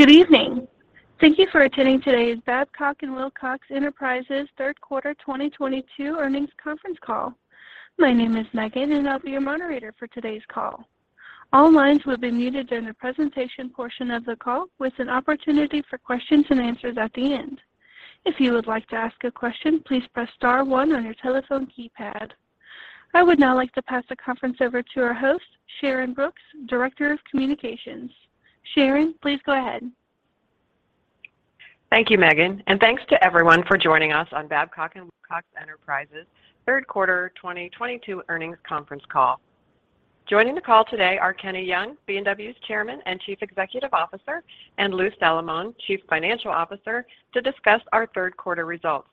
Good evening. Thank you for attending today's Babcock & Wilcox Enterprises third quarter 2022 earnings conference call. My name is Megan, and I'll be your moderator for today's call. All lines will be muted during the presentation portion of the call, with an opportunity for questions and answers at the end. If you would like to ask a question, please press star one on your telephone keypad. I would now like to pass the conference over to our host, Sharyn Brooks, Director of Communications. Sharyn, please go ahead. Thank you, Megan, and thanks to everyone for joining us on Babcock & Wilcox Enterprises' third quarter 2022 earnings conference call. Joining the call today are Kenneth Young, B&W's Chairman and Chief Executive Officer, and Louis Salamone, Chief Financial Officer, to discuss our third quarter results.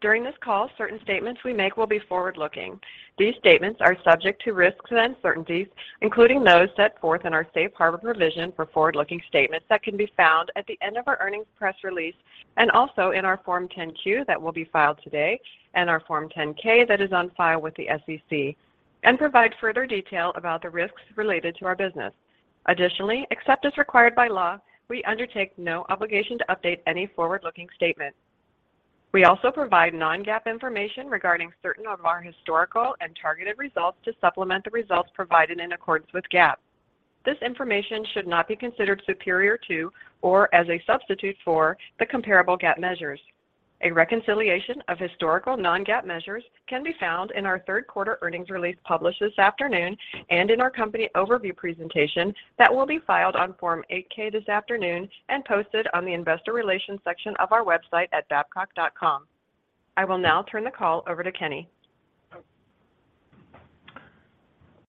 During this call, certain statements we make will be forward-looking. These statements are subject to risks and uncertainties, including those set forth in our safe harbor provision for forward-looking statements that can be found at the end of our earnings press release, and also in our Form 10-Q that will be filed today, and our Form 10-Q that is on file with the SEC, and provide further detail about the risks related to our business. Except as required by law, we undertake no obligation to update any forward-looking statement. We also provide non-GAAP information regarding certain of our historical and targeted results to supplement the results provided in accordance with GAAP. This information should not be considered superior to, or as a substitute for, the comparable GAAP measures. A reconciliation of historical non-GAAP measures can be found in our third quarter earnings release published this afternoon and in our company overview presentation that will be filed on Form 8-K this afternoon and posted on the investor relations section of our website at babcock.com. I will now turn the call over to Kenny.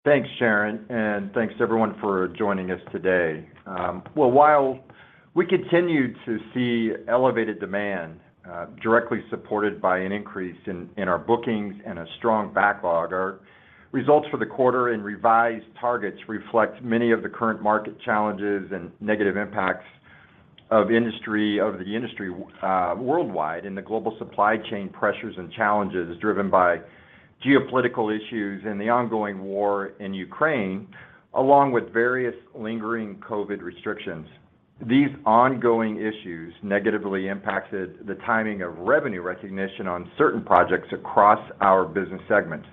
Thanks, Sharyn, and thanks everyone for joining us today. While we continue to see elevated demand directly supported by an increase in our bookings and a strong backlog, our results for the quarter and revised targets reflect many of the current market challenges and negative impacts of the industry worldwide and the global supply chain pressures and challenges driven by geopolitical issues and the ongoing war in Ukraine, along with various lingering COVID restrictions. These ongoing issues negatively impacted the timing of revenue recognition on certain projects across our business segments.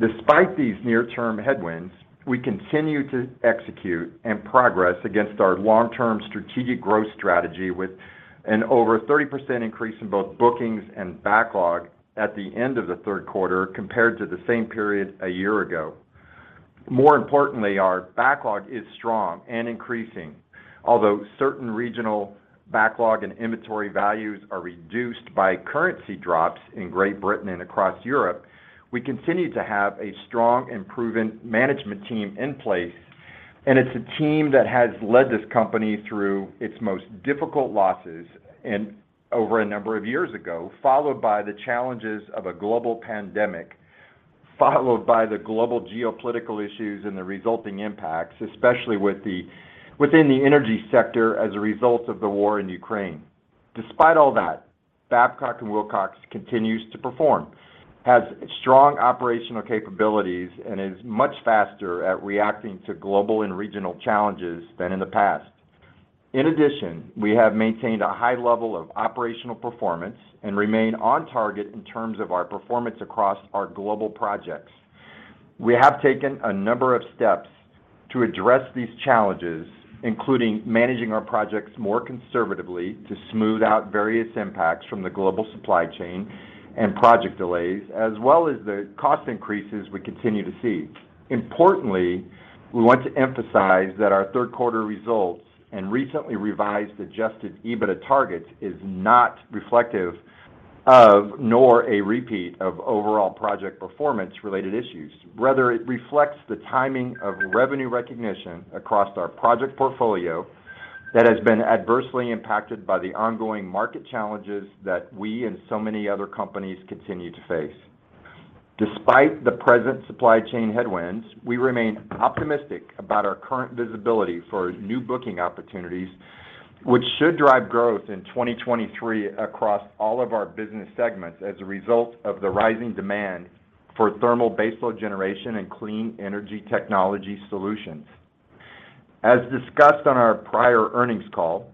Despite these near-term headwinds, we continue to execute and progress against our long-term strategic growth strategy with an over 30% increase in both bookings and backlog at the end of the third quarter compared to the same period a year ago. More importantly, our backlog is strong and increasing. Although certain regional backlog and inventory values are reduced by currency drops in Great Britain and across Europe, we continue to have a strong and proven management team in place, and it's a team that has led this company through its most difficult losses over a number of years ago, followed by the challenges of a global pandemic, followed by the global geopolitical issues and the resulting impacts, especially within the energy sector as a result of the war in Ukraine. Despite all that, Babcock & Wilcox continues to perform, has strong operational capabilities, and is much faster at reacting to global and regional challenges than in the past. In addition, we have maintained a high level of operational performance and remain on target in terms of our performance across our global projects. We have taken a number of steps to address these challenges, including managing our projects more conservatively to smooth out various impacts from the global supply chain and project delays, as well as the cost increases we continue to see. Importantly, we want to emphasize that our third quarter results and recently revised adjusted EBITDA targets is not reflective of, nor a repeat of, overall project performance-related issues. It reflects the timing of revenue recognition across our project portfolio that has been adversely impacted by the ongoing market challenges that we and so many other companies continue to face. Despite the present supply chain headwinds, we remain optimistic about our current visibility for new booking opportunities, which should drive growth in 2023 across all of our business segments as a result of the rising demand for thermal baseload generation and clean energy technology solutions. As discussed on our prior earnings call,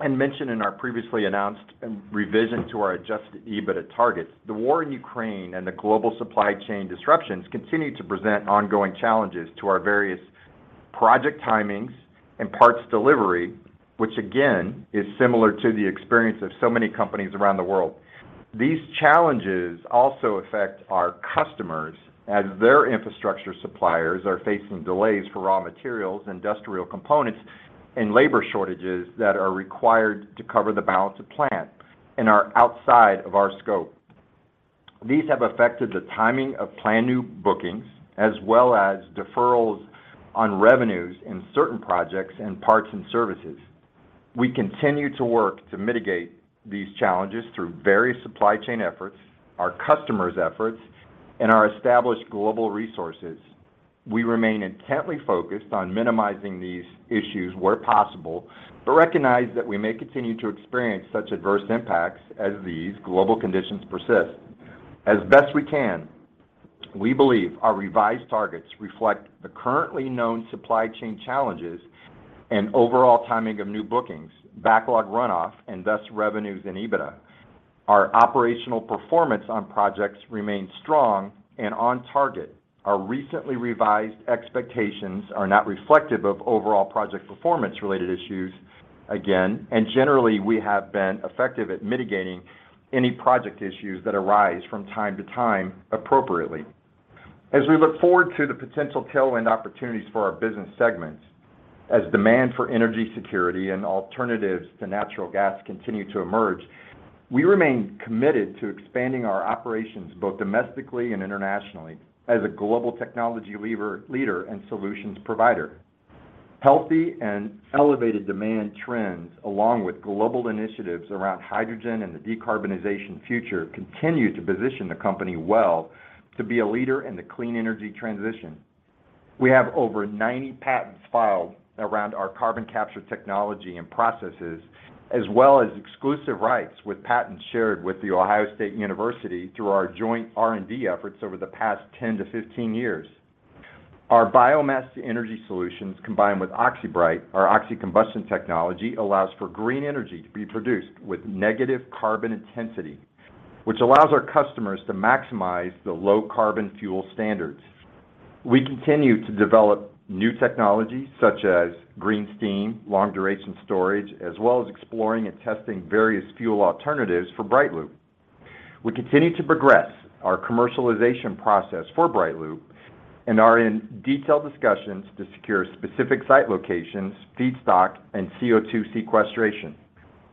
and mentioned in our previously announced revision to our adjusted EBITDA targets, the war in Ukraine and the global supply chain disruptions continue to present ongoing challenges to our various project timings and parts delivery, which again, is similar to the experience of so many companies around the world. These challenges also affect our customers as their infrastructure suppliers are facing delays for raw materials, industrial components, and labor shortages that are required to cover the balance of plant and are outside of our scope. These have affected the timing of planned new bookings as well as deferrals on revenues in certain projects and parts and services. We continue to work to mitigate these challenges through various supply chain efforts, our customers' efforts, and our established global resources. We remain intently focused on minimizing these issues where possible, but recognize that we may continue to experience such adverse impacts as these global conditions persist. As best we can, we believe our revised targets reflect the currently known supply chain challenges and overall timing of new bookings, backlog runoff, and thus revenues and EBITDA. Our operational performance on projects remains strong and on target. Our recently revised expectations are not reflective of overall project performance-related issues again, and generally, we have been effective at mitigating any project issues that arise from time to time appropriately. As we look forward to the potential tailwind opportunities for our business segments, as demand for energy security and alternatives to natural gas continue to emerge, we remain committed to expanding our operations both domestically and internationally as a global technology leader and solutions provider. Healthy and elevated demand trends, along with global initiatives around hydrogen and the decarbonization future, continue to position the company well to be a leader in the clean energy transition. We have over 90 patents filed around our carbon capture technology and processes, as well as exclusive rights with patents shared with The Ohio State University through our joint R&D efforts over the past 10 to 15 years. Our biomass-to-energy solutions, combined with OxyBright, our oxy-combustion technology, allows for Green Steam to be produced with negative carbon intensity, which allows our customers to maximize the Low-Carbon Fuel Standards. We continue to develop new technologies such as Green Steam, long duration storage, as well as exploring and testing various fuel alternatives for BrightLoop. We continue to progress our commercialization process for BrightLoop and are in detailed discussions to secure specific site locations, feedstock, and CO2 sequestration.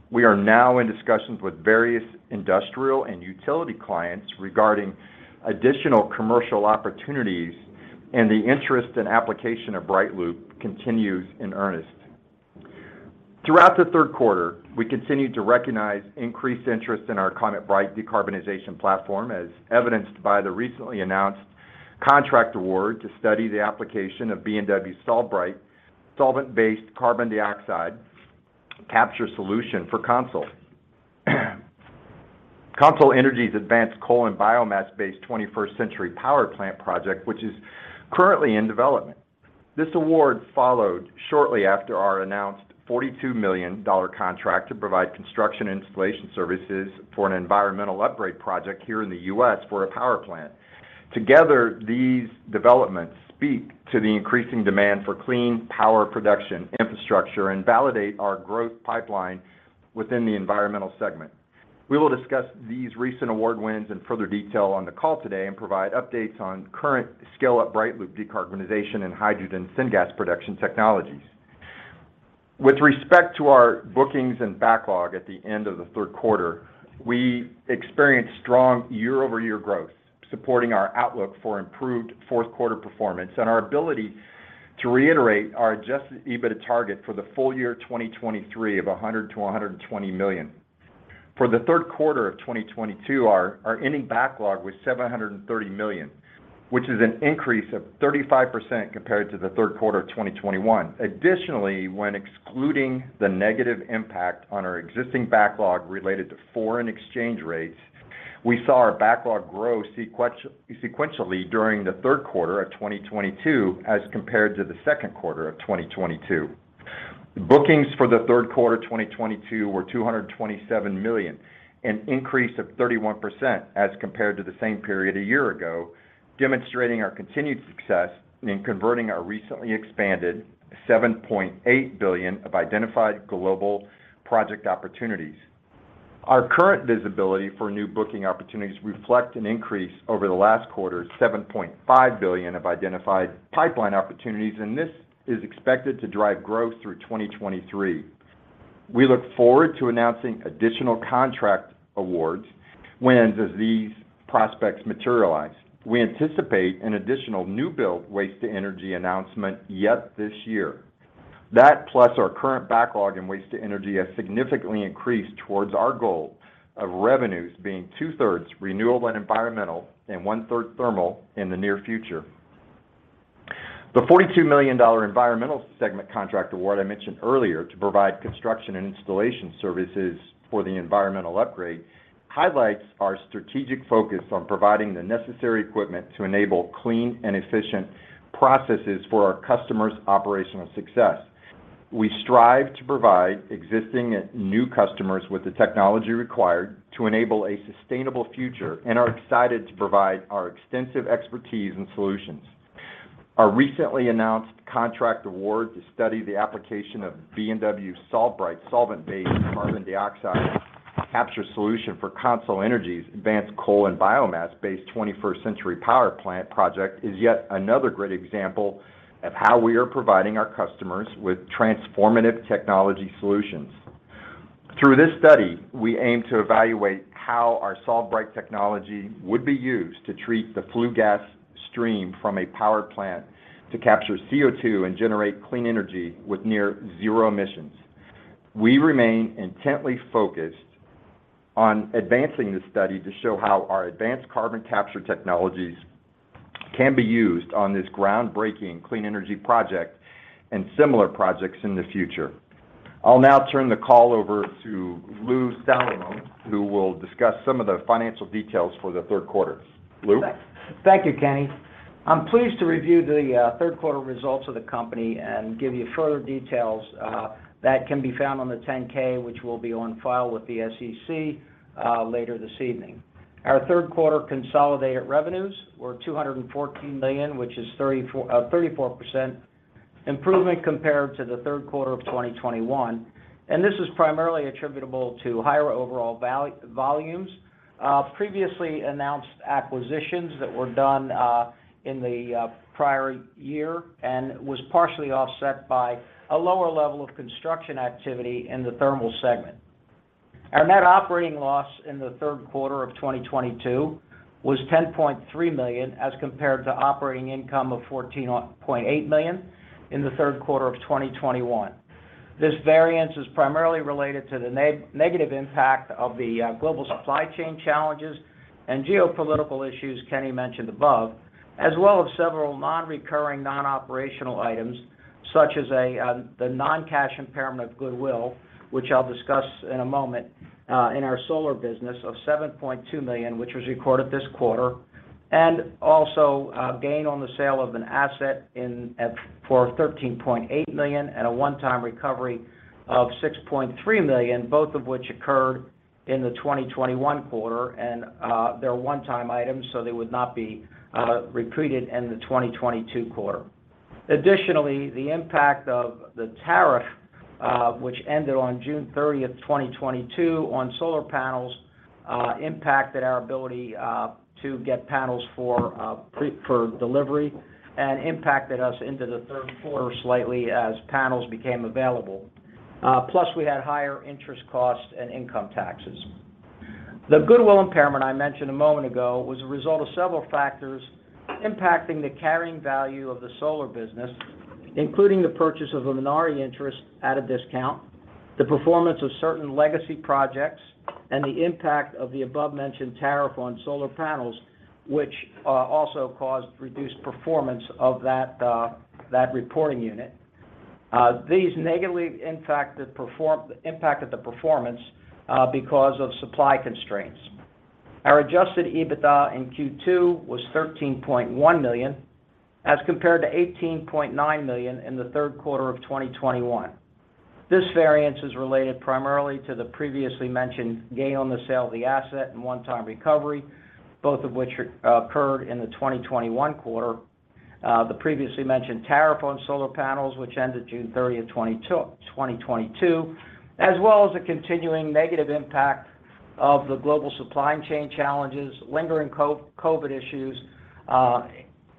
We are now in discussions with various industrial and utility clients regarding additional commercial opportunities, and the interest and application of BrightLoop continues in earnest. Throughout the third quarter, we continued to recognize increased interest in our ClimateBright decarbonization platform, as evidenced by the recently announced contract award to study the application of B&W SolveBright solvent-based carbon dioxide capture solution for CONSOL. CONSOL Energy's advanced coal and biomass-based 21st century power plant project, which is currently in development. This award followed shortly after our announced $42 million contract to provide construction and installation services for an environmental upgrade project here in the U.S. for a power plant. Together, these developments speak to the increasing demand for clean power production infrastructure and validate our growth pipeline within the environmental segment. We will discuss these recent award wins in further detail on the call today and provide updates on current scale-up BrightLoop decarbonization and hydrogen syngas production technologies. With respect to our bookings and backlog at the end of the third quarter, we experienced strong year-over-year growth, supporting our outlook for improved fourth quarter performance and our ability to reiterate our adjusted EBITDA target for the full year 2023 of $100 million-$120 million. For the third quarter of 2022, our ending backlog was $730 million, which is an increase of 35% compared to the third quarter of 2021. Additionally, when excluding the negative impact on our existing backlog related to foreign exchange rates, we saw our backlog grow sequentially during the third quarter of 2022 as compared to the second quarter of 2022. Bookings for the third quarter 2022 were $227 million, an increase of 31% as compared to the same period a year ago, demonstrating our continued success in converting our recently expanded $7.8 billion of identified global project opportunities. Our current visibility for new booking opportunities reflect an increase over the last quarter's $7.5 billion of identified pipeline opportunities, and this is expected to drive growth through 2023. We look forward to announcing additional contract awards when these prospects materialize. We anticipate an additional new build waste-to-energy announcement yet this year. That plus our current backlog in waste-to-energy has significantly increased towards our goal of revenues being two-thirds renewable and environmental and one-third thermal in the near future. The $42 million Babcock & Wilcox Environmental segment contract award I mentioned earlier to provide construction and installation services for the environmental upgrade highlights our strategic focus on providing the necessary equipment to enable clean and efficient processes for our customers' operational success. We strive to provide existing and new customers with the technology required to enable a sustainable future and are excited to provide our extensive expertise and solutions. Our recently announced contract award to study the application of B&W SolveBright solvent-based carbon dioxide capture solution for CONSOL Energy's advanced coal and biomass-based 21st century power plant project is yet another great example of how we are providing our customers with transformative technology solutions. Through this study, we aim to evaluate how our SolveBright technology would be used to treat the flue gas stream from a power plant to capture CO2 and generate clean energy with near zero emissions. We remain intently focused on advancing this study to show how our advanced carbon capture technologies can be used on this groundbreaking clean energy project and similar projects in the future. I'll now turn the call over to Lou Salamone, who will discuss some of the financial details for the third quarter. Lou? Thank you, Kenny. I'm pleased to review the third quarter results of the company and give you further details that can be found on the 10-K, which will be on file with the SEC later this evening. Our third quarter consolidated revenues were $214 million, which is 34% improvement compared to the third quarter of 2021. This is primarily attributable to higher overall volumes, previously announced acquisitions that were done in the prior year, and was partially offset by a lower level of construction activity in the Babcock & Wilcox Thermal segment. Our net operating loss in the third quarter of 2022 was $10.3 million, as compared to operating income of $14.8 million in the third quarter of 2021. This variance is primarily related to the negative impact of the global supply chain challenges and geopolitical issues Kenny mentioned above, as well as several non-recurring, non-operational items, such as the non-cash impairment of goodwill, which I'll discuss in a moment, in our solar business of $7.2 million, which was recorded this quarter, and also a gain on the sale of an asset for $13.8 million and a one-time recovery of $6.3 million, both of which occurred in the 2021 quarter. They're one-time items, so they would not be retreated in the 2022 quarter. Additionally, the impact of the tariff, which ended on June 30th, 2022 on solar panels, impacted our ability to get panels for delivery and impacted us into the third quarter slightly as panels became available. Plus, we had higher interest costs and income taxes. The goodwill impairment I mentioned a moment ago was a result of several factors impacting the carrying value of the solar business, including the purchase of a minority interest at a discount, the performance of certain legacy projects, and the impact of the above-mentioned tariff on solar panels, which also caused reduced performance of that reporting unit. These negatively impacted the performance because of supply constraints. Our Adjusted EBITDA in Q2 was $13.1 million, as compared to $18.9 million in the third quarter of 2021. This variance is related primarily to the previously mentioned gain on the sale of the asset and one-time recovery, both of which occurred in the 2021 quarter. The previously mentioned tariff on solar panels, which ended June 30th, 2022, as well as the continuing negative impact of the global supply chain challenges, lingering COVID issues,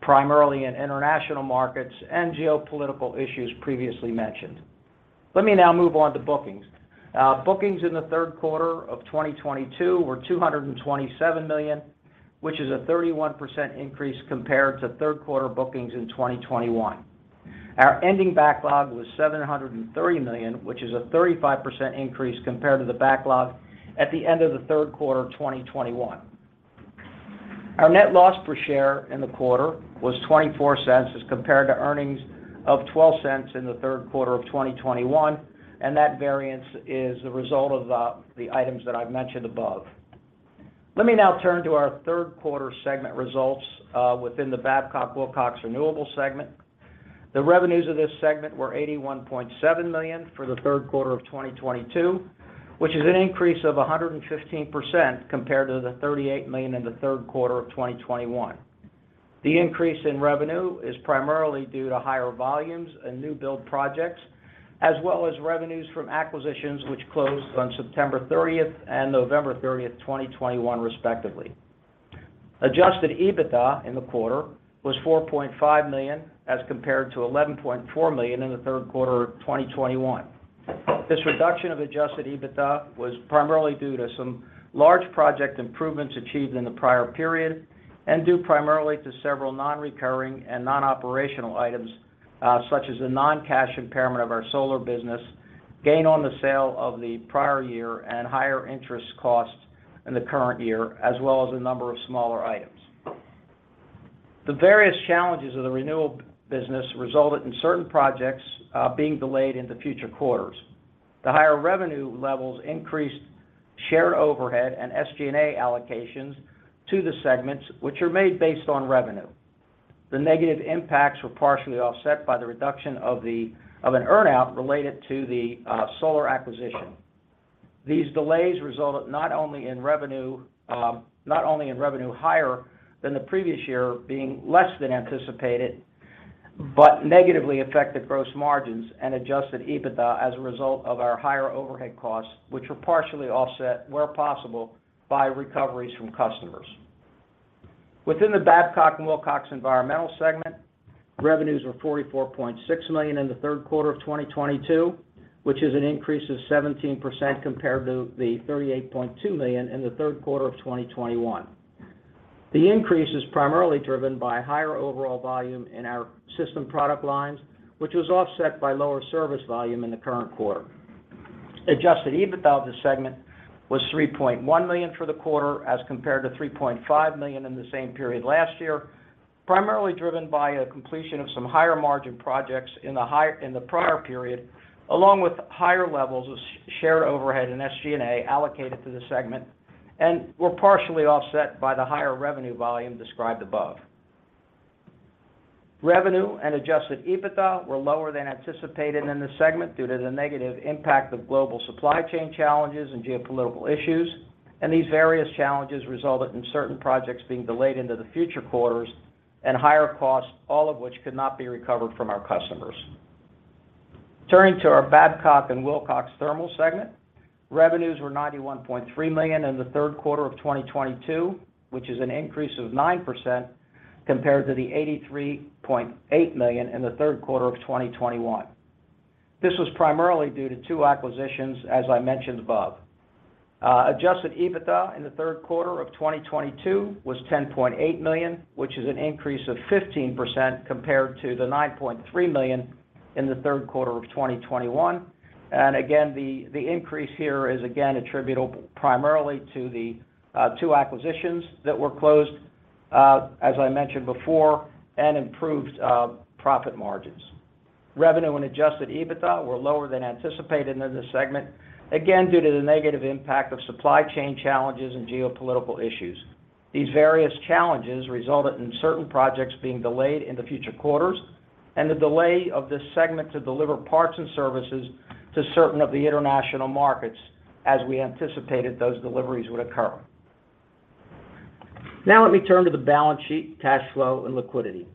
primarily in international markets, and geopolitical issues previously mentioned. Let me now move on to bookings. Bookings in the third quarter of 2022 were $227 million, which is a 31% increase compared to third quarter bookings in 2021. Our ending backlog was $730 million, which is a 35% increase compared to the backlog at the end of the third quarter of 2021. Our net loss per share in the quarter was $0.24 as compared to earnings of $0.12 in the third quarter of 2021, that variance is a result of the items that I've mentioned above. Let me now turn to our third quarter segment results within the Babcock & Wilcox Renewable segment. The revenues of this segment were $81.7 million for the third quarter of 2022, which is an increase of 115% compared to the $38 million in the third quarter of 2021. The increase in revenue is primarily due to higher volumes and new build projects, as well as revenues from acquisitions which closed on September 30th and November 30th, 2021, respectively. Adjusted EBITDA in the quarter was $4.5 million, as compared to $11.4 million in the third quarter of 2021. This reduction of Adjusted EBITDA was primarily due to some large project improvements achieved in the prior period due primarily to several non-recurring and non-operational items, such as the non-cash impairment of our solar business, gain on the sale of the prior year, and higher interest costs in the current year, as well as a number of smaller items. The various challenges of the renewable business resulted in certain projects being delayed into future quarters. The higher revenue levels increased shared overhead and SG&A allocations to the segments, which are made based on revenue. The negative impacts were partially offset by the reduction of an earn-out related to the solar acquisition. These delays resulted not only in revenue higher than the previous year being less than anticipated, negatively affected gross margins and Adjusted EBITDA as a result of our higher overhead costs, which were partially offset where possible by recoveries from customers. Within the Babcock & Wilcox Environmental segment, revenues were $44.6 million in the third quarter of 2022, which is an increase of 17% compared to the $38.2 million in the third quarter of 2021. The increase is primarily driven by higher overall volume in our system product lines, which was offset by lower service volume in the current quarter. Adjusted EBITDA of this segment was $3.1 million for the quarter, as compared to $3.5 million in the same period last year, primarily driven by a completion of some higher margin projects in the prior period, along with higher levels of shared overhead and SG&A allocated to the segment, and were partially offset by the higher revenue volume described above. Revenue and adjusted EBITDA were lower than anticipated in this segment due to the negative impact of global supply chain challenges and geopolitical issues. These various challenges resulted in certain projects being delayed into the future quarters, and higher costs, all of which could not be recovered from our customers. Turning to our Babcock & Wilcox Thermal segment. Revenues were $91.3 million in the third quarter of 2022, which is an increase of 9%, compared to the $83.8 million in the third quarter of 2021. This was primarily due to two acquisitions, as I mentioned above. Adjusted EBITDA in the third quarter of 2022 was $10.8 million, which is an increase of 15% compared to the $9.3 million in the third quarter of 2021. Again, the increase here is again attributable primarily to the two acquisitions that were closed, as I mentioned before, and improved profit margins. Revenue and adjusted EBITDA were lower than anticipated in this segment, again due to the negative impact of supply chain challenges and geopolitical issues. These various challenges resulted in certain projects being delayed into future quarters and the delay of this segment to deliver parts and services to certain of the international markets as we anticipated those deliveries would occur. Let me turn to the balance sheet, cash flow, and liquidity.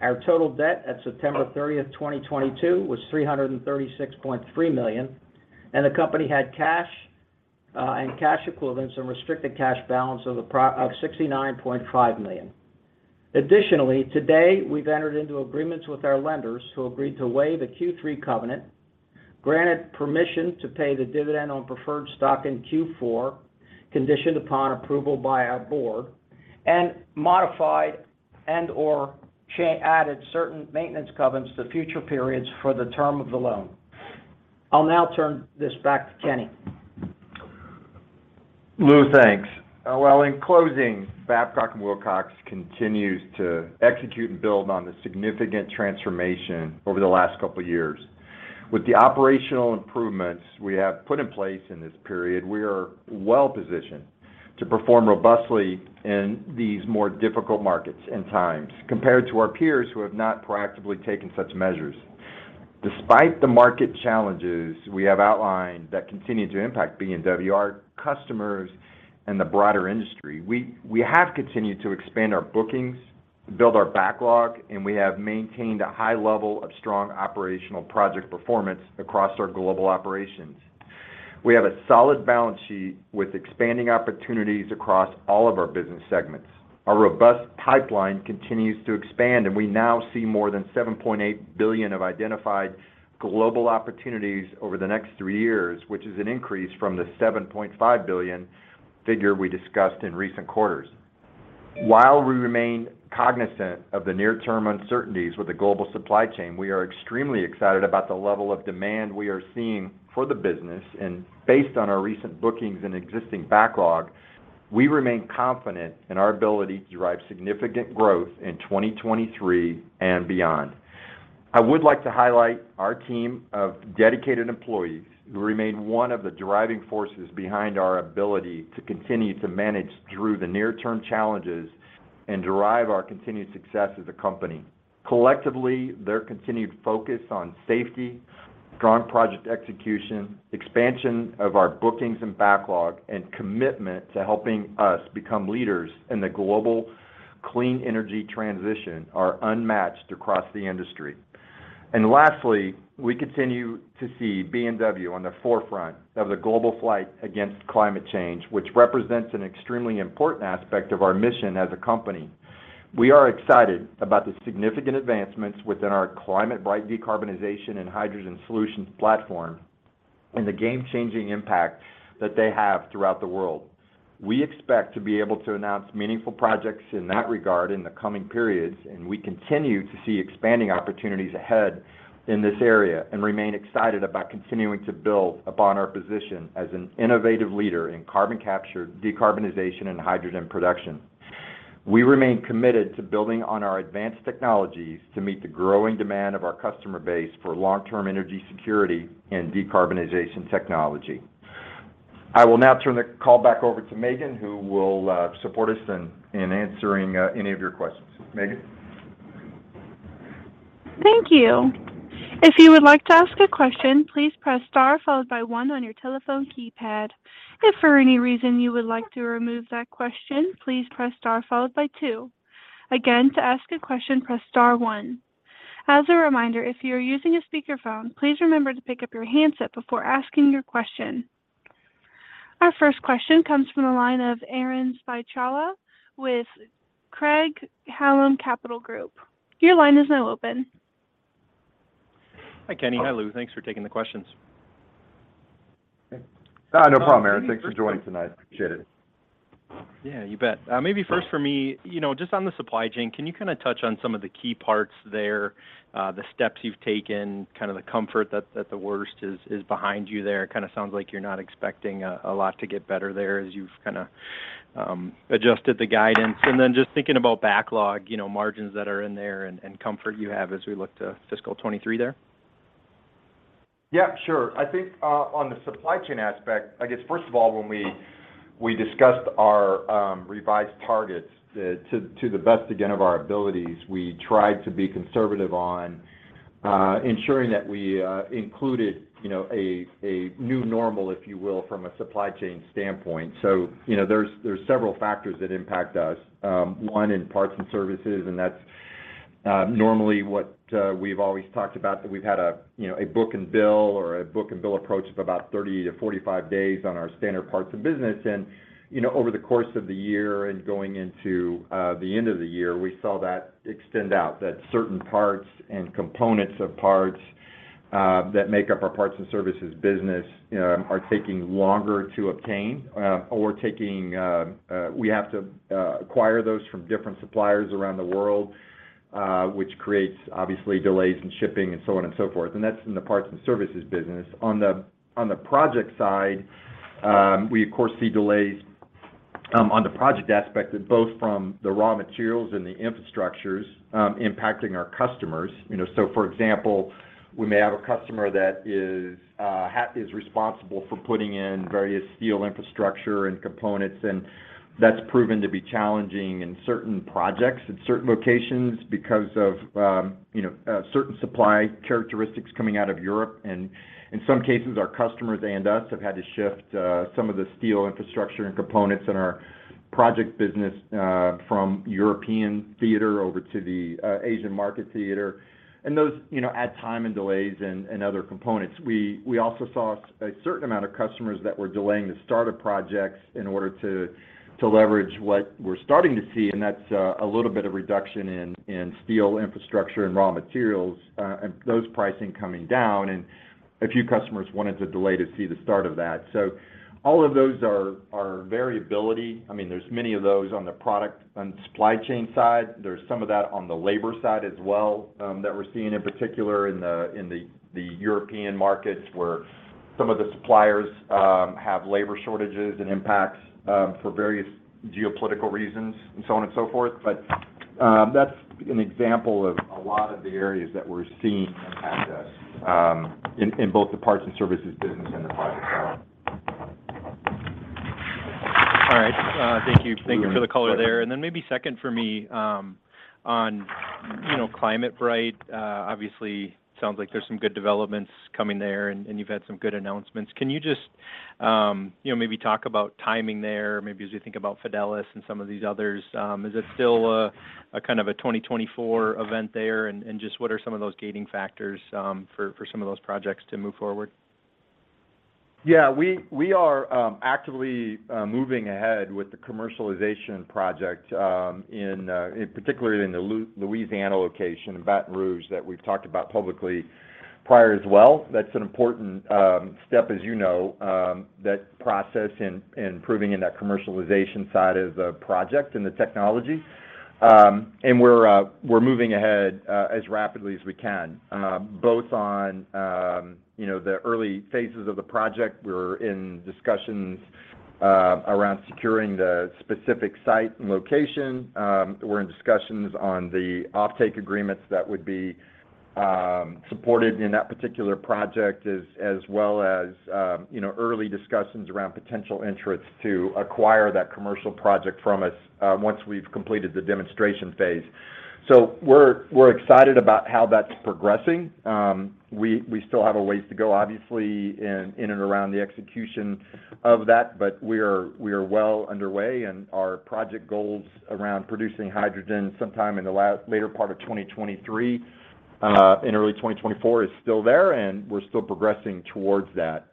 Our total debt at September 30th, 2022 was $336.3 million, and the company had cash and cash equivalents and restricted cash balance of $69.5 million. Additionally, today, we've entered into agreements with our lenders who agreed to waive a Q3 covenant, granted permission to pay the dividend on preferred stock in Q4, conditioned upon approval by our board, and modified and/or added certain maintenance covenants to future periods for the term of the loan. I'll now turn this back to Kenny. Lou, thanks. In closing, Babcock & Wilcox continues to execute and build on the significant transformation over the last couple of years. With the operational improvements we have put in place in this period, we are well-positioned to perform robustly in these more difficult markets and times compared to our peers who have not proactively taken such measures. Despite the market challenges we have outlined that continue to impact B&W, our customers, and the broader industry, we have continued to expand our bookings, build our backlog, and we have maintained a high level of strong operational project performance across our global operations. We have a solid balance sheet with expanding opportunities across all of our business segments. Our robust pipeline continues to expand. We now see more than $7.8 billion of identified global opportunities over the next three years, which is an increase from the $7.5 billion figure we discussed in recent quarters. While we remain cognizant of the near-term uncertainties with the global supply chain, we are extremely excited about the level of demand we are seeing for the business. Based on our recent bookings and existing backlog, we remain confident in our ability to drive significant growth in 2023 and beyond. I would like to highlight our team of dedicated employees, who remain one of the driving forces behind our ability to continue to manage through the near-term challenges and derive our continued success as a company. Collectively, their continued focus on safety, strong project execution, expansion of our bookings and backlog, and commitment to helping us become leaders in the global clean energy transition are unmatched across the industry. Lastly, we continue to see B&W on the forefront of the global fight against climate change, which represents an extremely important aspect of our mission as a company. We are excited about the significant advancements within our ClimateBright decarbonization and hydrogen solutions platform, and the game-changing impact that they have throughout the world. We expect to be able to announce meaningful projects in that regard in the coming periods. We continue to see expanding opportunities ahead in this area and remain excited about continuing to build upon our position as an innovative leader in carbon capture, decarbonization, and hydrogen production. We remain committed to building on our advanced technologies to meet the growing demand of our customer base for long-term energy security and decarbonization technology. I will now turn the call back over to Megan, who will support us in answering any of your questions. Megan? Thank you. If you would like to ask a question, please press star followed by one on your telephone keypad. If for any reason you would like to remove that question, please press star followed by two. Again, to ask a question, please press star one. As a reminder, if you are using a speakerphone, please remember to pick up your handset before asking your question. Our first question comes from the line of Aaron Spychalla with Craig-Hallum Capital Group. Your line is now open. Hi, Kenny. Hi, Lou. Thanks for taking the questions. No problem, Aaron. Thanks for joining tonight. Appreciate it. Yeah, you bet. Maybe first for me, just on the supply chain, can you kind of touch on some of the key parts there, the steps you've taken, kind of the comfort that the worst is behind you there? It kind of sounds like you're not expecting a lot to get better there as you've kind of adjusted the guidance. Just thinking about backlog, margins that are in there and comfort you have as we look to fiscal 2023 there. Yeah, sure. I think on the supply chain aspect, I guess first of all, when we discussed our revised targets, to the best, again, of our abilities, we tried to be conservative on ensuring that we included a new normal, if you will, from a supply chain standpoint. There's several factors that impact us. One in parts and services, that's normally what we've always talked about, that we've had a book and bill approach of about 30 to 45 days on our standard parts and business. Over the course of the year and going into the end of the year, we saw that extend out, that certain parts and components of parts that make up our parts and services business are taking longer to obtain. We have to acquire those from different suppliers around the world, which creates, obviously, delays in shipping and so on and so forth. That's in the parts and services business. On the project side, we of course see delays on the project aspect, both from the raw materials and the infrastructures impacting our customers. For example, we may have a customer that is responsible for putting in various steel infrastructure and components, and that's proven to be challenging in certain projects, at certain locations because of certain supply characteristics coming out of Europe. In some cases, our customers and us have had to shift some of the steel infrastructure and components in our project business from European theater over to the Asian market theater. Those add time and delays and other components. We also saw a certain amount of customers that were delaying the start of projects in order to leverage what we're starting to see, and that's a little bit of reduction in steel infrastructure and raw materials, and those pricing coming down. A few customers wanted to delay to see the start of that. All of those are variability. There's many of those on the product and supply chain side. There's some of that on the labor side as well that we're seeing, in particular in the European markets where some of the suppliers have labor shortages and impacts for various geopolitical reasons, and so on and so forth. That's an example of a lot of the areas that we're seeing impact us in both the parts and services business and the project side. All right. Thank you for the color there. Then maybe second for me, on ClimateBright, obviously sounds like there's some good developments coming there and you've had some good announcements. Can you just maybe talk about timing there, maybe as we think about Fidelis and some of these others? Is it still a kind of a 2024 event there, and just what are some of those gating factors for some of those projects to move forward? Yeah. We are actively moving ahead with the commercialization project, in particular in the Louisiana location, in Baton Rouge, that we've talked about publicly prior as well. That's an important step as you know, that process in improving in that commercialization side of the project and the technology. We're moving ahead as rapidly as we can, both on the early phases of the project. We're in discussions around securing the specific site and location. We're in discussions on the offtake agreements that would be supported in that particular project, as well as early discussions around potential interests to acquire that commercial project from us once we've completed the demonstration phase. We're excited about how that's progressing. We still have a ways to go, obviously, in and around the execution of that, but we are well underway, and our project goals around producing hydrogen sometime in the later part of 2023 and early 2024 is still there, and we're still progressing towards that.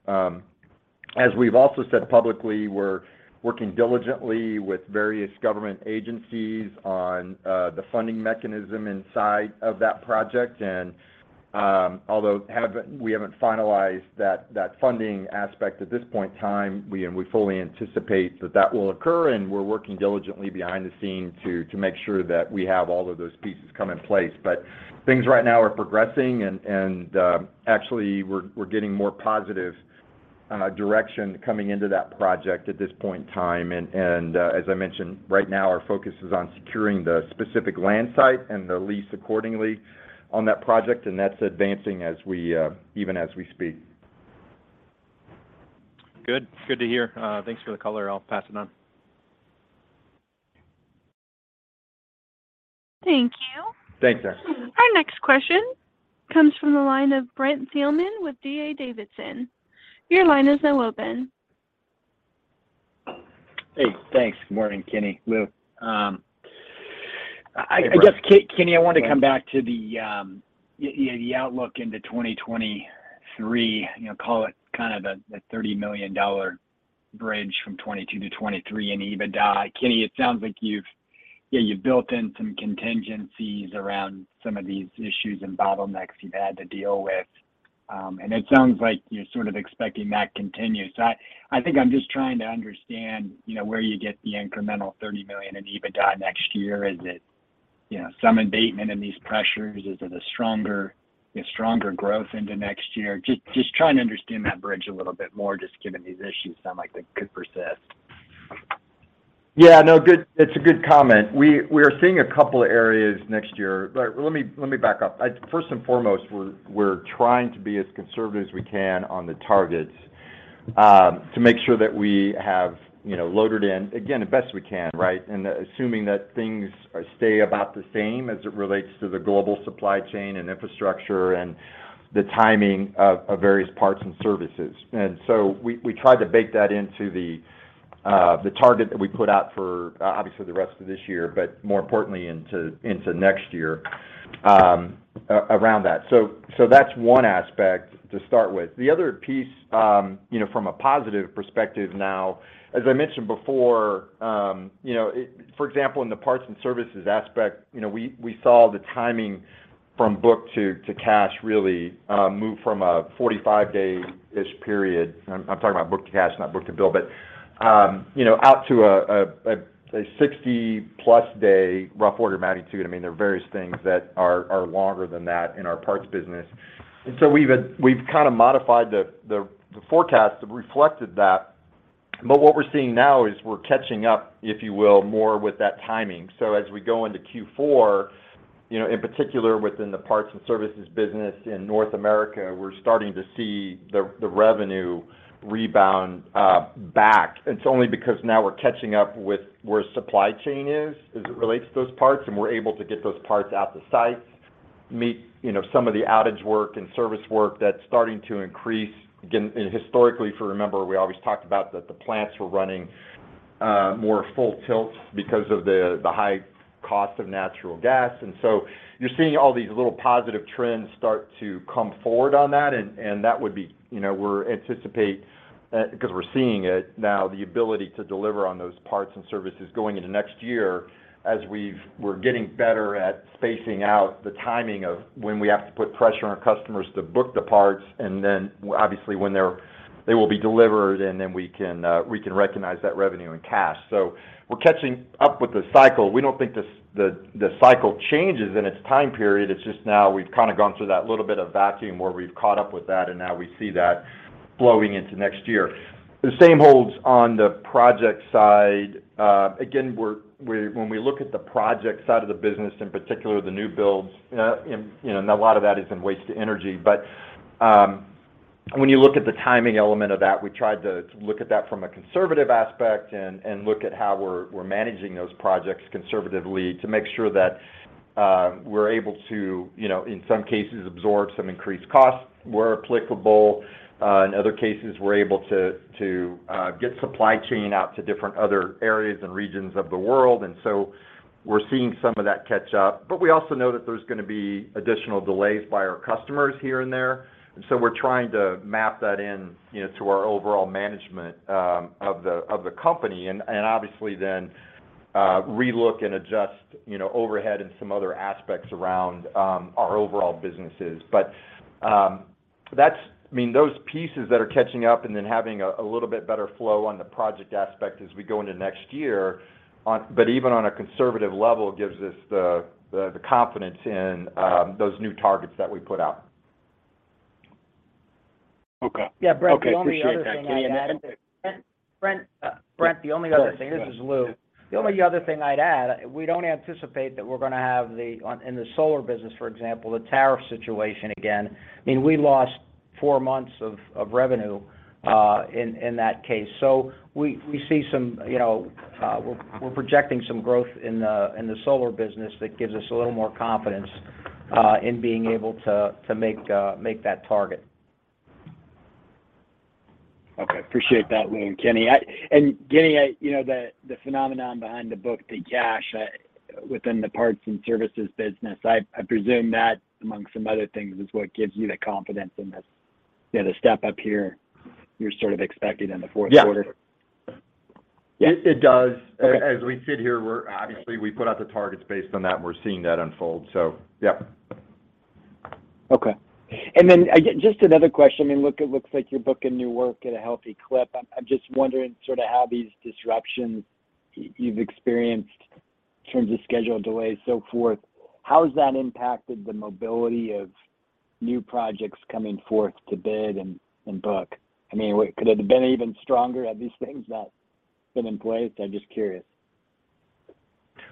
As we've also said publicly, we're working diligently with various government agencies on the funding mechanism inside of that project. Although we haven't finalized that funding aspect at this point in time, we fully anticipate that that will occur, and we're working diligently behind the scenes to make sure that we have all of those pieces come in place. Things right now are progressing and actually, we're getting more positive direction coming into that project at this point in time. As I mentioned, right now our focus is on securing the specific land site and the lease accordingly on that project, and that's advancing even as we speak. Good. Good to hear. Thanks for the color. I'll pass it on. Thank you. Thanks, Aaron. Our next question comes from the line of Brent Thielman with D.A. Davidson. Your line is now open. Hey, thanks. Good morning, Kenny, Lou. Hey, Brent. I guess, Kenny, I want to come back to the outlook into 2023. Call it kind of the $30 million bridge from 2022 to 2023 in EBITDA. Kenny, it sounds like you've Yeah, you've built in some contingencies around some of these issues and bottlenecks you've had to deal with. It sounds like you're sort of expecting that to continue. I think I'm just trying to understand where you get the incremental $30 million in EBITDA next year. Is it some abatement in these pressures? Is it a stronger growth into next year? Just trying to understand that bridge a little bit more, just given these issues sound like they could persist. Yeah, no, it's a good comment. We are seeing a couple of areas next year. Let me back up. First and foremost, we're trying to be as conservative as we can on the targets to make sure that we have loaded in, again, as best we can, right? Assuming that things stay about the same as it relates to the global supply chain and infrastructure and the timing of various parts and services. We tried to bake that into the target that we put out for, obviously, the rest of this year, but more importantly, into next year, around that. That's one aspect to start with. The other piece from a positive perspective now, as I mentioned before, for example, in the parts and services aspect, we saw the timing from book to cash really move from a 45-day-ish period. I'm talking about book to cash, not book to bill. Out to a 60-plus day rough order of magnitude. There are various things that are longer than that in our parts business. We've kind of modified the forecast that reflected that. What we're seeing now is we're catching up, if you will, more with that timing. As we go into Q4, in particular within the parts and services business in North America, we're starting to see the revenue rebound back. It's only because now we're catching up with where supply chain is as it relates to those parts, and we're able to get those parts out to sites, meet some of the outage work and service work that's starting to increase. Again, historically, if you remember, we always talked about that the plants were running more full tilt because of the high cost of natural gas. You're seeing all these little positive trends start to come forward on that, and that would be we anticipate, because we're seeing it now, the ability to deliver on those parts and services going into next year as we're getting better at spacing out the timing of when we have to put pressure on our customers to book the parts. Obviously when they will be delivered, and then we can recognize that revenue and cash. We're catching up with the cycle. We don't think the cycle changes in its time period. It's just now we've kind of gone through that little bit of vacuum where we've caught up with that, now we see that flowing into next year. The same holds on the project side. When we look at the project side of the business, in particular, the new builds, and a lot of that is in waste to energy. When you look at the timing element of that, we tried to look at that from a conservative aspect and look at how we're managing those projects conservatively to make sure that we're able to, in some cases, absorb some increased costs where applicable. In other cases, we're able to get supply chain out to different other areas and regions of the world. We're seeing some of that catch up. We also know that there's going to be additional delays by our customers here and there. We're trying to map that in to our overall management of the company. Obviously then re-look and adjust overhead and some other aspects around our overall businesses. Those pieces that are catching up and then having a little bit better flow on the project aspect as we go into next year, but even on a conservative level, gives us the confidence in those new targets that we put out. Okay. Yeah, Brent, the only other thing I'd add is. Brent? Sorry, yeah. Brent, the only other thing, this is Lou. The only other thing I'd add, we don't anticipate that we're going to have, in the solar business, for example, the tariff situation again. We lost four months of revenue in that case. We're projecting some growth in the solar business that gives us a little more confidence in being able to make that target. Okay. Appreciate that, Lou and Kenny. Kenny, the phenomenon behind the book-to-cash within the parts and services business, I presume that, among some other things, is what gives you the confidence in the step up here you're sort of expecting in the fourth quarter. Yeah. Yeah? It does. As we sit here, obviously, we put out the targets based on that, and we're seeing that unfold. Yeah. Okay. Just another question. It looks like you're booking new work at a healthy clip. I'm just wondering sort of how these disruptions you've experienced in terms of schedule delays, so forth, how has that impacted the mobility of new projects coming forth to bid and book? Could it have been even stronger had these things not been in place? I'm just curious.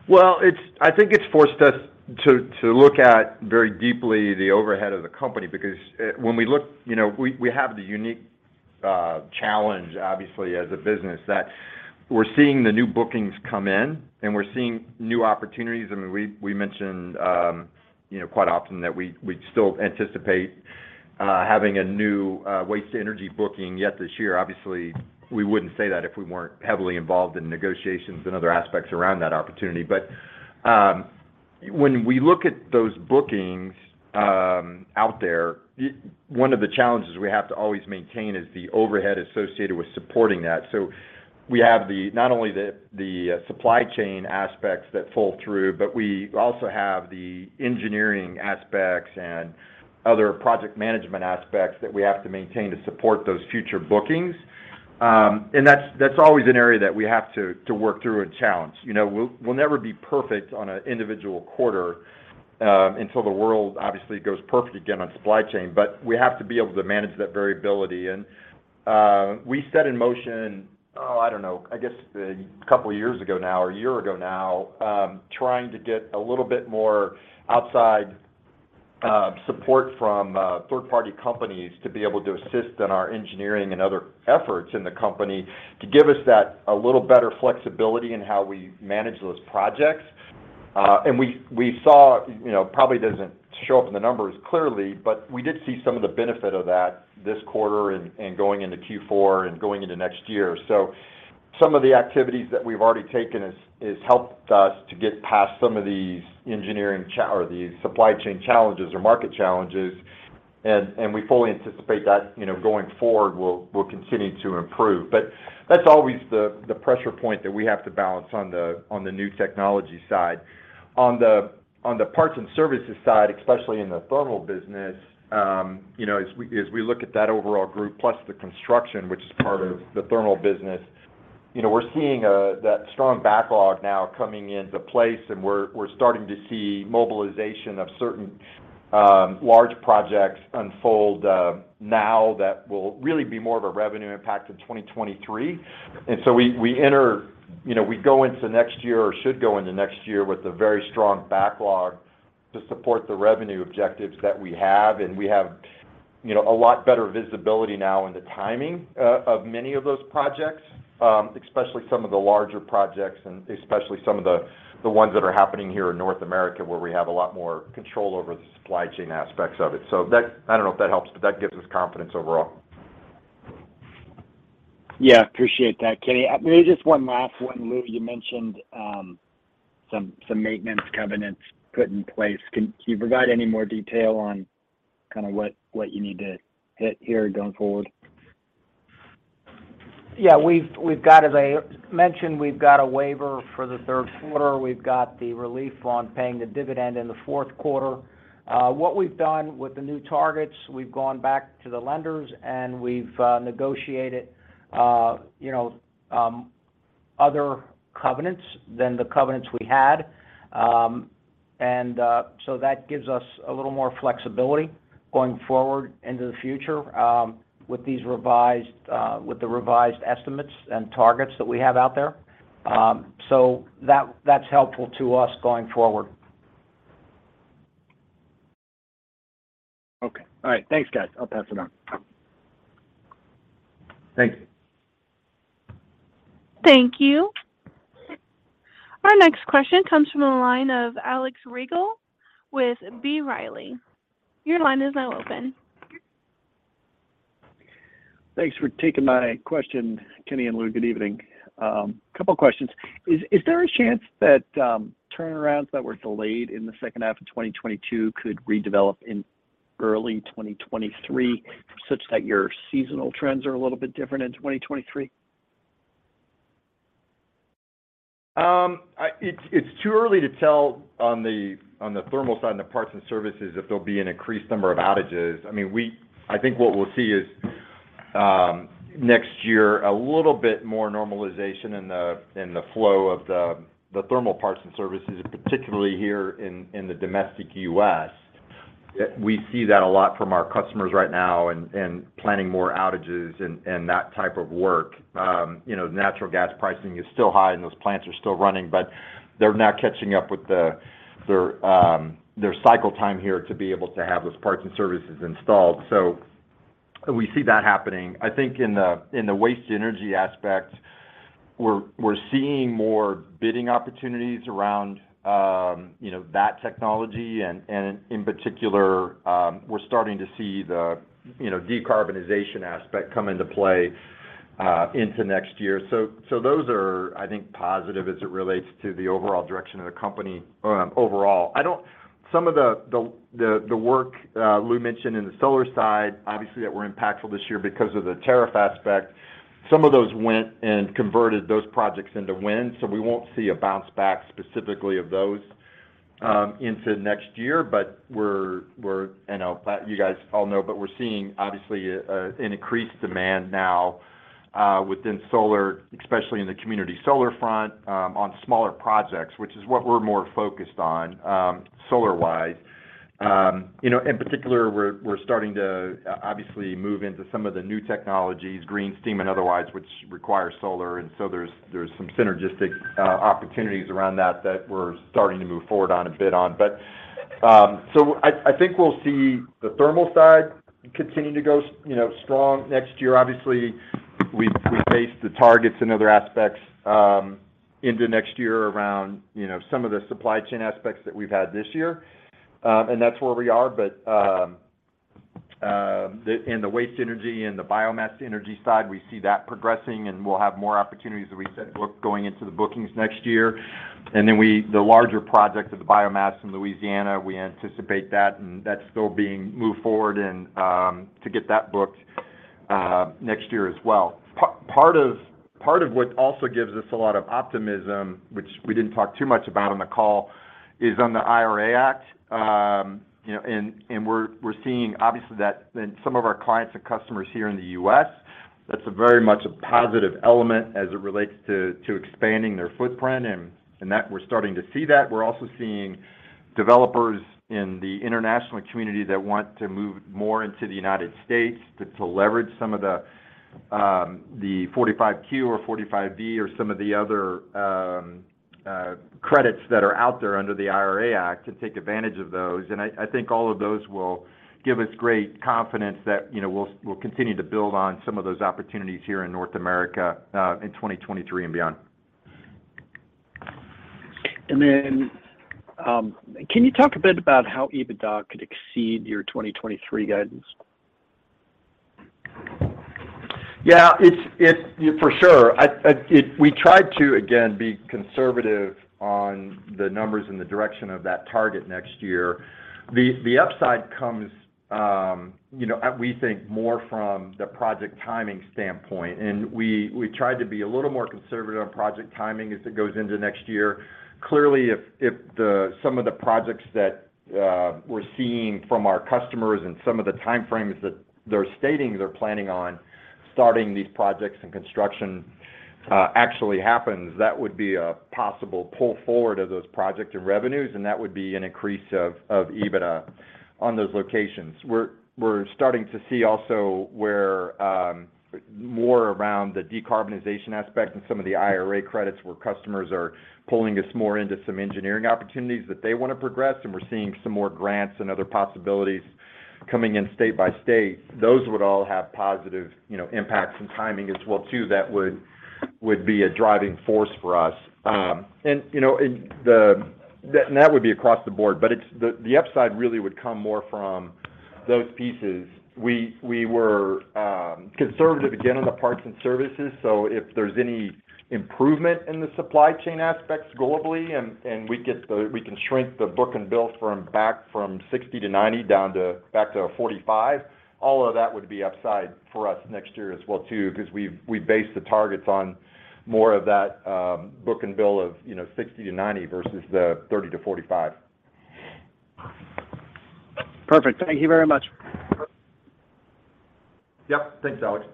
Well, I think it's forced us to look at very deeply the overhead of the company, because when we look, we have the unique challenge, obviously, as a business, that we're seeing the new bookings come in, and we're seeing new opportunities. We mentioned quite often that we still anticipate having a new waste to energy booking yet this year. Obviously, we wouldn't say that if we weren't heavily involved in negotiations and other aspects around that opportunity. When we look at those bookings out there, one of the challenges we have to always maintain is the overhead associated with supporting that. We have not only the supply chain aspects that fall through, but we also have the engineering aspects and other project management aspects that we have to maintain to support those future bookings. That's always an area that we have to work through and challenge. We'll never be perfect on an individual quarter until the world obviously goes perfect again on supply chain, but we have to be able to manage that variability. We set in motion, I don't know, I guess a couple of years ago now or a year ago now, trying to get a little bit more outside support from third-party companies to be able to assist in our engineering and other efforts in the company to give us that a little better flexibility in how we manage those projects. We saw, probably doesn't show up in the numbers clearly, but we did see some of the benefit of that this quarter and going into Q4 and going into next year. Some of the activities that we've already taken has helped us to get past some of these engineering or these supply chain challenges or market challenges. We fully anticipate that going forward we'll continue to improve. That's always the pressure point that we have to balance on the new technology side. On the parts and services side, especially in the thermal business, as we look at that overall group plus the construction, which is part of the thermal business, we're seeing that strong backlog now coming into place and we're starting to see mobilization of certain large projects unfold now that will really be more of a revenue impact in 2023. We go into next year or should go into next year with a very strong backlog to support the revenue objectives that we have. We have a lot better visibility now in the timing of many of those projects, especially some of the larger projects and especially some of the ones that are happening here in North America where we have a lot more control over the supply chain aspects of it. I don't know if that helps, but that gives us confidence overall. Appreciate that, Kenny. Maybe just one last one. Lou, you mentioned some maintenance covenants put in place. Can you provide any more detail on what you need to hit here going forward? As I mentioned, we've got a waiver for the third quarter. We've got the relief on paying the dividend in the fourth quarter. What we've done with the new targets, we've gone back to the lenders and we've negotiated other covenants than the covenants we had. That gives us a little more flexibility going forward into the future with the revised estimates and targets that we have out there. That's helpful to us going forward. Thanks, guys. I'll pass it on. Thank you. Thank you. Our next question comes from the line of Alex Rygiel with B. Riley. Your line is now open. Thanks for taking my question. Kenny and Lou, good evening. Couple questions. Is there a chance that turnarounds that were delayed in the second half of 2022 could redevelop in early 2023 such that your seasonal trends are a little bit different in 2023? It's too early to tell on the thermal side and the parts and services if there'll be an increased number of outages. I think what we'll see is next year a little bit more normalization in the flow of the thermal parts and services, particularly here in the domestic U.S. We see that a lot from our customers right now and planning more outages and that type of work. Natural gas pricing is still high and those plants are still running, but they're now catching up with their cycle time here to be able to have those parts and services installed. We see that happening. I think in the waste energy aspect, we're seeing more bidding opportunities around that technology and in particular, we're starting to see the decarbonization aspect come into play into next year. Those are, I think, positive as it relates to the overall direction of the company overall. Some of the work Lou mentioned in the solar side, obviously that were impactful this year because of the tariff aspect. Some of those went and converted those projects into wind, so we won't see a bounce back specifically of those into next year. We're, I know you guys all know, but we're seeing obviously an increased demand now within solar, especially in the community solar front on smaller projects, which is what we're more focused on solar-wise. In particular, we're starting to obviously move into some of the new technologies, Green Steam and otherwise, which require solar, there's some synergistic opportunities around that that we're starting to move forward on and bid on. I think we'll see the thermal side continue to go strong next year. Obviously, we've based the targets and other aspects into next year around some of the supply chain aspects that we've had this year. That's where we are. The waste energy and the biomass energy side, we see that progressing, and we'll have more opportunities, as we said, going into the bookings next year. The larger project of the biomass in Louisiana, we anticipate that, and that's still being moved forward and to get that booked next year as well. Part of what also gives us a lot of optimism, which we didn't talk too much about on the call, is on the IRA Act. We're seeing, obviously, that some of our clients and customers here in the U.S., that's very much a positive element as it relates to expanding their footprint, and that we're starting to see that. We're also seeing developers in the international community that want to move more into the United States to leverage some of the 45Q or 45V or some of the other credits that are out there under the IRA Act and take advantage of those. I think all of those will give us great confidence that we'll continue to build on some of those opportunities here in North America in 2023 and beyond. Can you talk a bit about how EBITDA could exceed your 2023 guidance? Yeah, for sure. We tried to, again, be conservative on the numbers and the direction of that target next year. The upside comes, we think, more from the project timing standpoint, and we tried to be a little more conservative on project timing as it goes into next year. Clearly, if some of the projects that we're seeing from our customers and some of the time frames that they're stating they're planning on starting these projects and construction actually happens, that would be a possible pull forward of those projects and revenues, and that would be an increase of EBITDA on those locations. We're starting to see also where more around the decarbonization aspect and some of the IRA credits where customers are pulling us more into some engineering opportunities that they want to progress, and we're seeing some more grants and other possibilities coming in state by state. Those would all have positive impacts and timing as well, too, that would be a driving force for us. That would be across the board, but the upside really would come more from those pieces. We were conservative again on the parts and services, so if there's any improvement in the supply chain aspects globally and we can shrink the book and bill back from 60-90 down back to a 45, all of that would be upside for us next year as well, too, because we based the targets on more of that book and bill of 60-90 versus the 30-45. Perfect. Thank you very much. Yep. Thanks, Alex.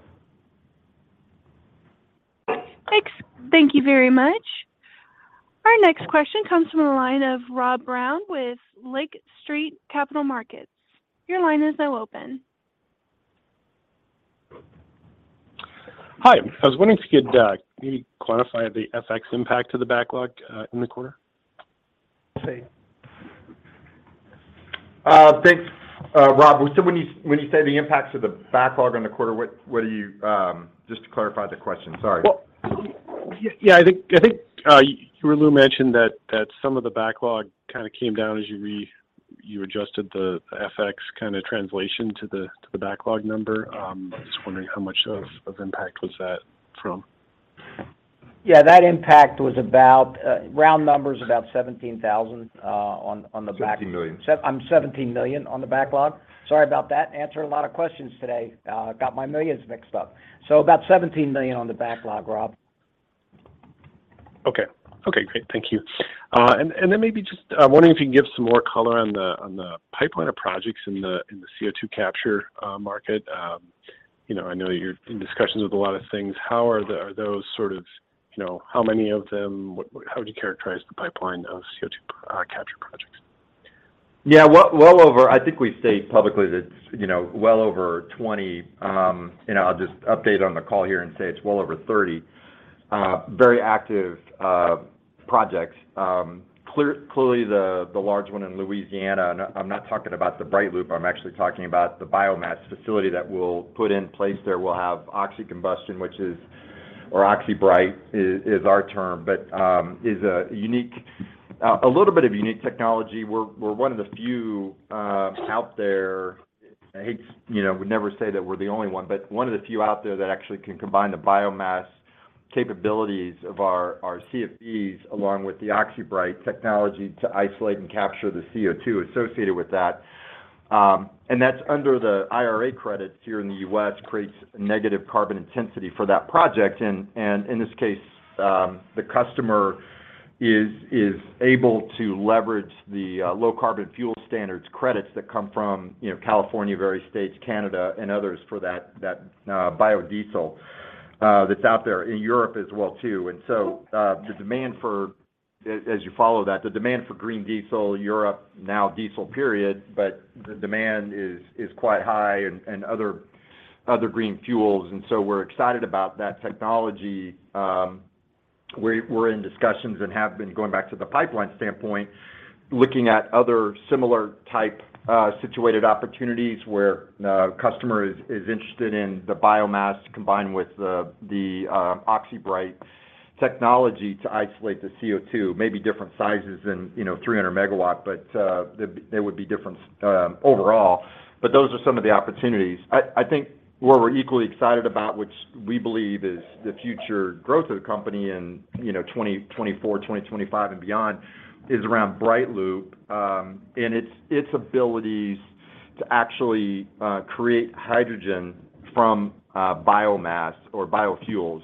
Thanks. Thank you very much. Our next question comes from the line of Rob Brown with Lake Street Capital Markets. Your line is now open. Hi. I was wondering if you could maybe quantify the FX impact to the backlog in the quarter? Thanks. Rob, when you say the impacts of the backlog on the quarter, just to clarify the question. Sorry. Yeah, I think you or Lou mentioned that some of the backlog kind of came down as you adjusted the FX kind of translation to the backlog number. I'm just wondering how much of impact was that from? Yeah, that impact was about, round numbers, about 17,000 on the back. $17 million $17 million on the backlog. Sorry about that. Answering a lot of questions today. Got my millions mixed up. About $17 million on the backlog, Rob. Okay. Great. Thank you. Then maybe just, I'm wondering if you can give some more color on the pipeline of projects in the CO2 capture market. I know that you're in discussions with a lot of things. How would you characterize the pipeline of CO2 capture projects? Yeah. I think we state publicly that it's well over 20. I'll just update on the call here and say it's well over 30 very active projects. Clearly the large one in Louisiana, I'm not talking about the BrightLoop, I'm actually talking about the biomass facility that we'll put in place there. We'll have oxycombustion, or OxyBright is our term, but is a little bit of unique technology. We're one of the few out there, I would never say that we're the only one, but one of the few out there that actually can combine the biomass capabilities of our CFBs along with the OxyBright technology to isolate and capture the CO2 associated with that. That's under the IRA credits here in the U.S., creates negative carbon intensity for that project, and in this case, the customer is able to leverage the Low-Carbon Fuel Standard credits that come from California, various states, Canada, and others for that biodiesel that's out there, in Europe as well, too. As you follow that, the demand for green diesel, Europe now diesel, period, but the demand is quite high and other green fuels, we're excited about that technology. We're in discussions and have been going back to the pipeline standpoint, looking at other similar type situated opportunities where the customer is interested in the biomass combined with the OxyBright technology to isolate the CO2, maybe different sizes than 300 MW, but they would be different overall. Those are some of the opportunities. I think where we're equally excited about, which we believe is the future growth of the company in 2024, 2025 and beyond, is around BrightLoop, and its abilities to actually create hydrogen from biomass or biofuels.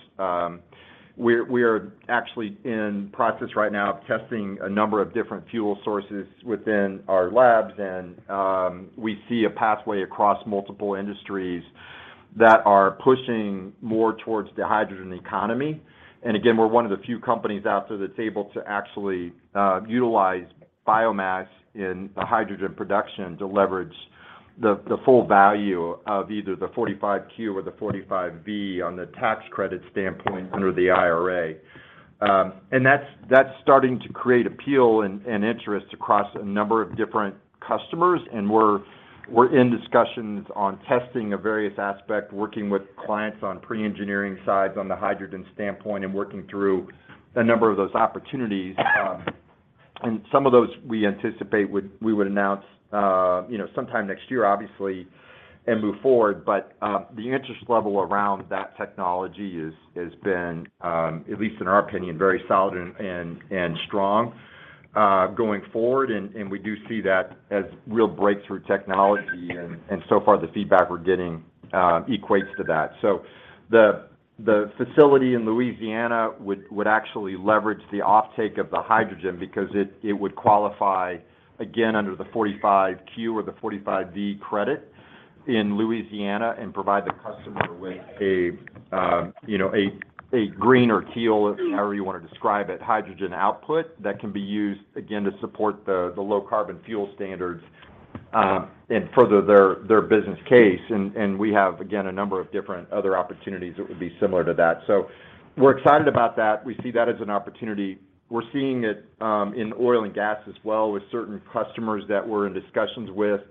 We are actually in process right now of testing a number of different fuel sources within our labs, and we see a pathway across multiple industries that are pushing more towards the hydrogen economy. Again, we're one of the few companies out there that's able to actually utilize biomass in a hydrogen production to leverage the full value of either the 45Q or the 45V on the tax credit standpoint under the IRA. That's starting to create appeal and interest across a number of different customers, and we're in discussions on testing of various aspect, working with clients on pre-engineering sides on the hydrogen standpoint, and working through a number of those opportunities. Some of those we anticipate we would announce sometime next year, obviously, and move forward. The interest level around that technology has been, at least in our opinion, very solid and strong going forward, and we do see that as real breakthrough technology. So far, the feedback we're getting equates to that. The facility in Louisiana would actually leverage the offtake of the hydrogen because it would qualify, again, under the 45Q or the 45V credit in Louisiana and provide the customer with a green or teal, however you want to describe it, hydrogen output that can be used, again, to support the Low-Carbon Fuel Standard and further their business case. We have, again, a number of different other opportunities that would be similar to that. We're excited about that. We see that as an opportunity. We're seeing it in oil and gas as well with certain customers that we're in discussions with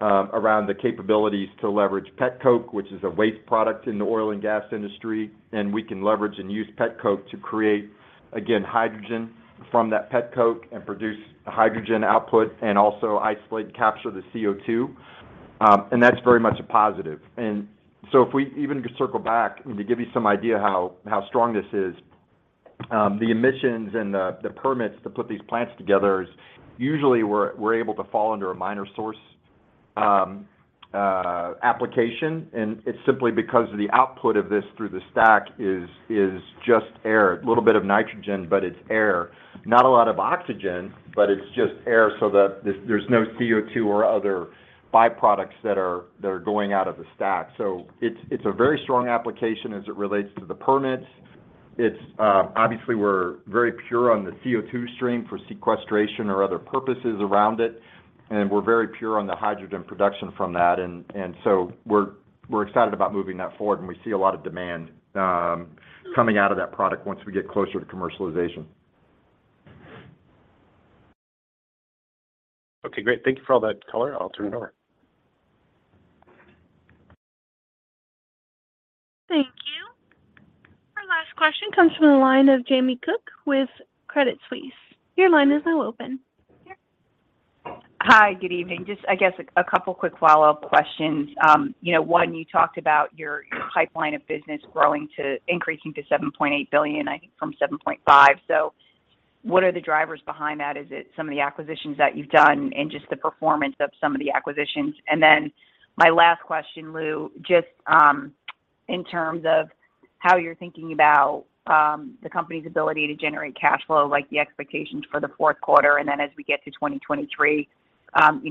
around the capabilities to leverage petcoke, which is a waste product in the oil and gas industry. We can leverage and use petcoke to create, again, hydrogen from that petcoke and produce a hydrogen output, and also isolate and capture the CO2. That's very much a positive. If we even circle back and to give you some idea how strong this is, the emissions and the permits to put these plants together is usually we're able to fall under a minor source application, and it's simply because of the output of this through the stack is just air. A little bit of nitrogen, but it's air. Not a lot of oxygen, but it's just air so that there's no CO2 or other byproducts that are going out of the stack. It's a very strong application as it relates to the permits. Obviously, we're very pure on the CO2 stream for sequestration or other purposes around it, and we're very pure on the hydrogen production from that. We're excited about moving that forward, and we see a lot of demand coming out of that product once we get closer to commercialization. Okay, great. Thank you for all that color. I'll turn it over. Thank you. Our last question comes from the line of Jamie Cook with Credit Suisse. Your line is now open. Hi. Good evening. I guess, a couple quick follow-up questions. One, you talked about your pipeline of business growing to $7.8 billion, I think, from $7.5 billion. What are the drivers behind that? Is it some of the acquisitions that you've done and just the performance of some of the acquisitions? My last question, Lou, just in terms of how you're thinking about the company's ability to generate cash flow, like the expectations for the fourth quarter, and then as we get to 2023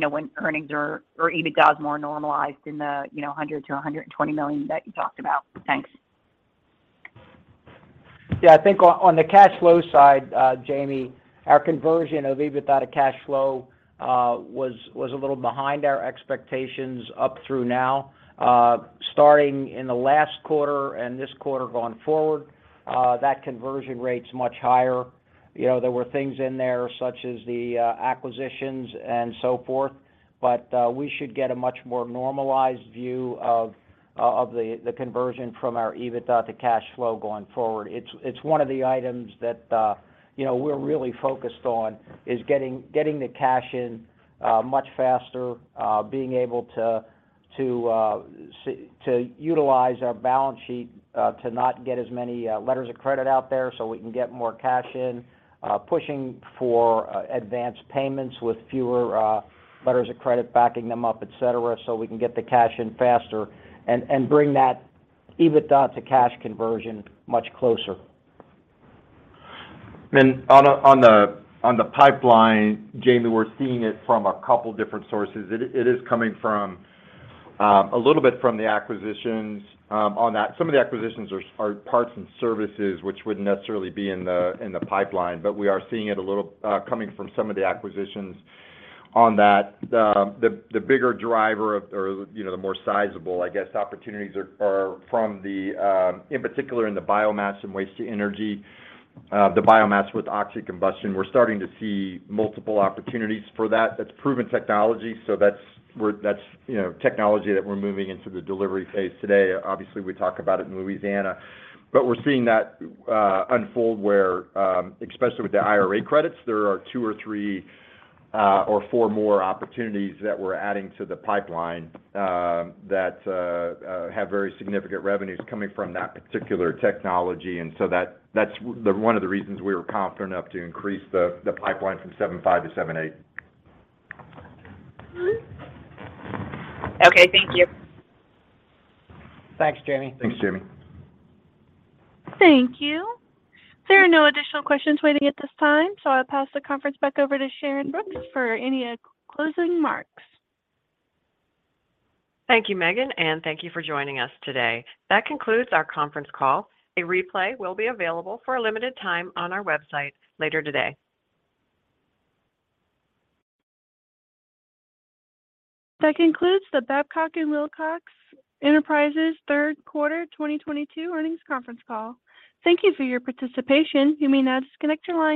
when earnings are, or EBITDA is more normalized in the $100 million to $120 million that you talked about. Thanks. I think on the cash flow side, Jamie, our conversion of EBITDA to cash flow was a little behind our expectations up through now. Starting in the last quarter and this quarter going forward, that conversion rate's much higher. There were things in there such as the acquisitions and so forth. We should get a much more normalized view of the conversion from our EBITDA to cash flow going forward. It's one of the items that we're really focused on is getting the cash in much faster, being able to utilize our balance sheet to not get as many letters of credit out there so we can get more cash in, pushing for advanced payments with fewer letters of credit backing them up, et cetera, so we can get the cash in faster and bring that EBITDA to cash conversion much closer. On the pipeline, Jamie, we're seeing it from a couple different sources. It is coming from a little bit from the acquisitions on that. Some of the acquisitions are parts and services, which wouldn't necessarily be in the pipeline. We are seeing it a little coming from some of the acquisitions on that. The bigger driver or the more sizable, I guess, opportunities are from the, in particular in the biomass and waste to energy, the biomass with OxyBright. We're starting to see multiple opportunities for that. That's proven technology, so that's technology that we're moving into the delivery phase today. Obviously, we talk about it in Louisiana. We're seeing that unfold where, especially with the IRA credits, there are two or three or four more opportunities that we're adding to the pipeline that have very significant revenues coming from that particular technology. That's one of the reasons we were confident enough to increase the pipeline from $7.5 billion to $7.8 billion. Okay. Thank you. Thanks, Jamie. Thanks, Jamie. Thank you. There are no additional questions waiting at this time. I'll pass the conference back over to Sharyn Brooks for any closing remarks. Thank you, Megan. Thank you for joining us today. That concludes our conference call. A replay will be available for a limited time on our website later today. That concludes the Babcock & Wilcox Enterprises Third Quarter 2022 Earnings Conference Call. Thank you for your participation. You may now disconnect your line